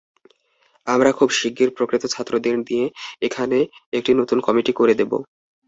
আমরা খুব শিগগির প্রকৃত ছাত্রদের নিয়ে এখানে নতুন কমিটি করে দেব।